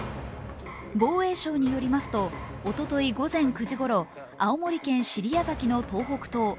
防衛省によりますと、おととい午前９時ごろ、青森県尻屋崎の東北東